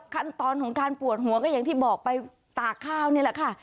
ขั้นตอนของการปวดหัวก็อย่างที่บอกไปตากข้าวนี่แหละค่ะ